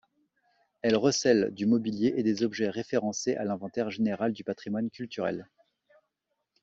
Elle recèle du mobilier et des objets référencés à l'inventaire général du patrimoine culturel.